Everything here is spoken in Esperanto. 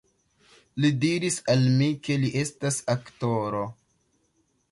Li diris al mi, ke li estas aktoro.